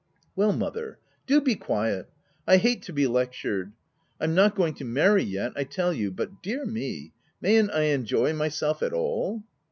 5 ' u Well mother, do be quiet !— I hate to be lectured !— I'm not going to marry yet, I tell you ; but — dear me ! mayn't I enjoy myself at all?"